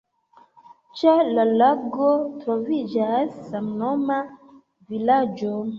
Ĉe la lago troviĝas samnoma vilaĝo.